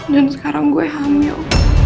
dan sekarang gue hamil